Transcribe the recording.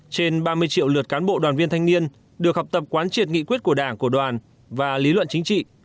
trên ba mươi triệu lượt cán bộ đoàn viên thanh niên được học tập quán triệt nghị quyết của đảng của đoàn và lý luận chính trị